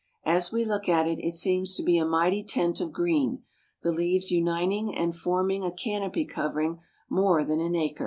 As we look at it, it seems to be a mighty tent of green, the leaves uniting and forming a canopy covering more than an acre.